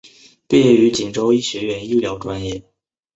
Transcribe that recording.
毕业于锦州医学院医疗专业。